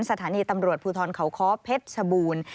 สถานีตำรวจภูทรเขาค้อเพชรชบูรณ์